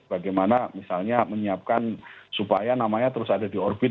bagaimana misalnya menyiapkan supaya namanya terus ada di orbit